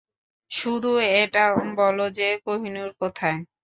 শুধু এটা বলো যে কোহিনূর কোথায়?